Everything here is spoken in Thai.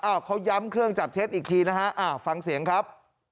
เขาย้ำเครื่องจับเท็จอีกทีนะฮะฟังเสียงครับ